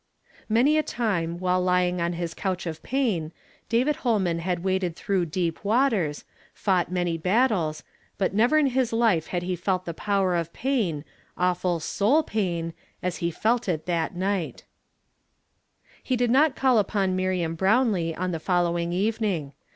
Many a time while lying on his couch of imin, David Holiiian had waded through deep waters, fought many battles, but never in his life had he felt the power of pain, awful soul pain, as he felt it that night. IL 1: 212 YESTERDAY FRAMED IN TO DAY. He did not call upon Miriam Brownlee on the evening following.